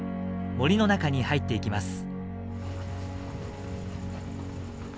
森の中に入っていきます。